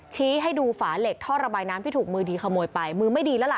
ชี้ให้ดูฝาเหล็กท่อระบายน้ำที่ถูกมือดีขโมยไปมือไม่ดีแล้วล่ะ